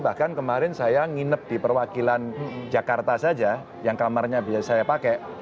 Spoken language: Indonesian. bahkan kemarin saya nginep di perwakilan jakarta saja yang kamarnya biasa saya pakai